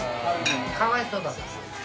かわいそうだから。